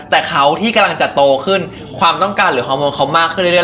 แต่เขาที่กำลังจะโตขึ้นความต้องการหรือฮอร์โมนเขามากขึ้นเรื